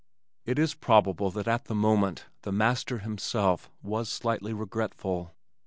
It is probable that at the moment the master himself was slightly regretful.